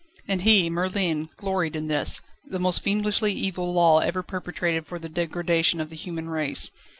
And he, Merlin, gloried in this, the most fiendishly evil law ever perpetrated for the degradation of the human race.